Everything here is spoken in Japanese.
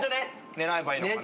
狙えばいいのかな。